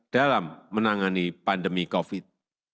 yang telah menangani pandemi covid sembilan belas